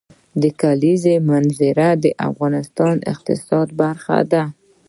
د کلیزو منظره د افغانستان د اقتصاد برخه ده.